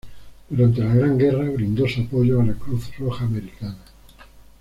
Durante la Gran Guerra, brindó su apoyo a la Cruz Roja Americana.